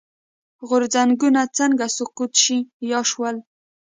غورځنګونه څنګه سقوط شي یا شول.